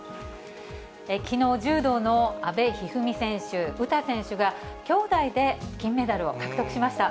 きのう柔道の阿部一二三選手、詩選手が、兄妹で金メダルを獲得しました。